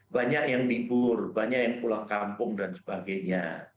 banyak yang libur banyak yang pulang kampung dan sebagainya